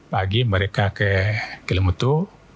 lagi mereka ke kelimutu